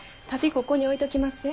ここに置いときますえ。